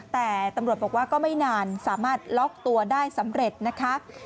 แต่ตำรวจบอกว่าก็ไม่นานสามารถล็อกตัวได้สำเร็จนะคะ